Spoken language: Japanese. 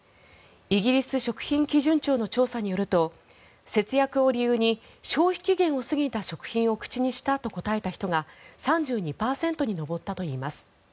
イギリス食品基準庁の調査によると節約を理由に消費期限を過ぎた食品を口にしたと答えた人が３２％に上ったといいます。